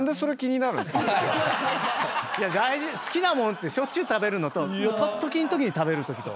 好きな物ってしょっちゅう食べるのと取っときのときに食べるときと。